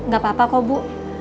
gak apa apa kok bu